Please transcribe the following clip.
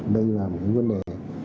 đây là một vấn đề